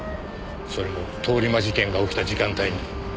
それも通り魔事件が起きた時間帯に。